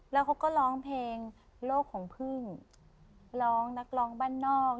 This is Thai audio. แล้วเขาก็ร้องเพลงโลกของพึ่งร้องนักร้องบ้านนอก